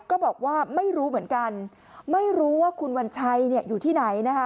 ก็บอกว่าไม่รู้เหมือนกันไม่รู้ว่าคุณวัญชัยอยู่ที่ไหนนะคะ